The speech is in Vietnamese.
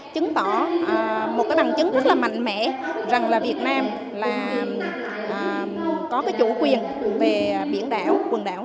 chứng tỏ một bằng chứng rất là mạnh mẽ rằng là việt nam có chủ quyền về biển đảo quần đảo